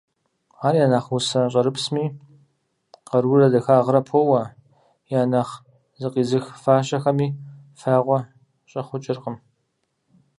Ар я нэхъ усэ «щӀэрыпсми» къарурэ дахагъкӀэ поуэ, я нэхъ «зыкъизых» фащэхэми фагъуэ щӀэхъукӀыркъым.